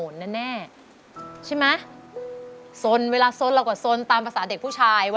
แล้วมากอดเขานอยแผวนหน้าครอบครัว